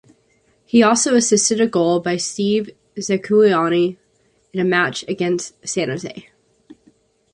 He also assisted a goal by Steve Zakuani in a match against San Jose.